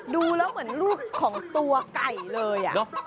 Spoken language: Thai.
ดูแล้วเหมือนรูปของตัวไก่เลย